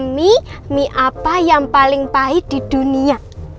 mie mie apa yang paling pahit di dunia